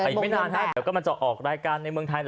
อีกไม่นานเดี๋ยวก็มันจะออกรายการในเมืองไทย